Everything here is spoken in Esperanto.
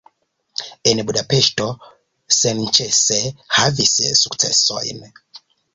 En Budapeŝto senĉese havis sukcesojn.